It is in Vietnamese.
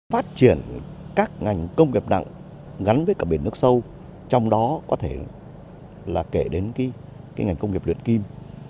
phát triển các ngành công nghiệp nặng gắn với cả biển nước sâu trong đó có thể là kể đến ngành công nghiệp luyện kim